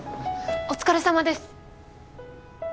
お疲れさまです！